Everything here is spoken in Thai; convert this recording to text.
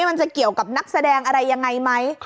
มันจะเกี่ยวกับนักแสดงอะไรยังไงไหม